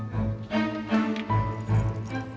dek aku mau ke sana